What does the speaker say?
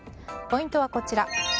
ポイントはこちら。